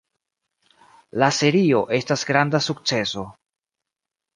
La serio estas granda sukceso.